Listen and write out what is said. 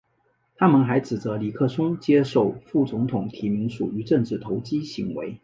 他们还指责尼克松接受副总统提名属于政治投机行为。